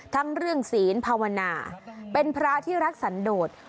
ทั้งเรื่องศีลภาวนาเป็นพระที่รักสันโดด